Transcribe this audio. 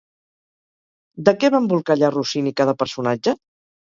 De què va embolcallar Rossini cada personatge?